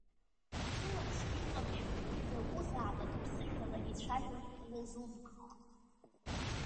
Сылаԥш иҵамшәеит изакәызаалак ԥсышәала ицәажәоз лозунгк.